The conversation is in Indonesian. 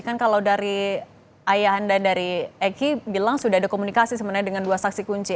kan kalau dari ayah anda dari eki bilang sudah ada komunikasi sebenarnya dengan dua saksi kunci